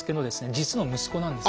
実の息子なんです。